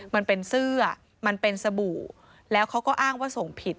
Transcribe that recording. มันเป็นเสื้อมันเป็นสบู่แล้วเขาก็อ้างว่าส่งผิด